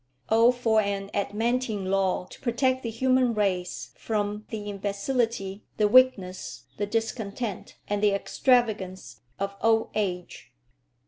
Oh for an adamantine law to protect the human race from the imbecility, the weakness, the discontent, and the extravagance of old age!